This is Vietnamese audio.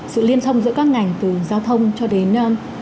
sự liên thông giữa các ngành từ giao thông cho đến